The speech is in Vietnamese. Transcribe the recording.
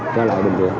trở lại bệnh viện